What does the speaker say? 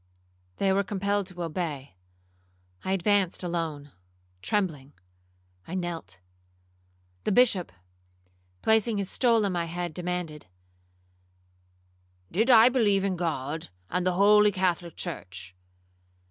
They were compelled to obey. I advanced alone, trembling. I knelt. The Bishop, placing his stole on my head, demanded, 'Did I believe in God, and the holy Catholic church?'